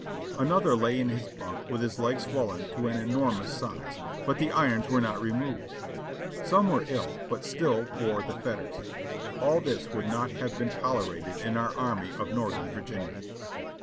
Another lay in his bunk with his leg swollen to an enormous size, but the irons were not re moved. Some were ill, but still wore the fetters. All this would not have been tolerated in our Army of Northern Virginia.